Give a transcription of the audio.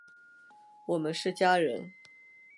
我们是家人！